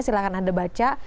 silahkan anda baca